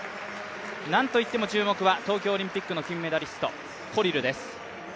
なんといっても注目は東京オリンピックの金メダリスト、コリルです。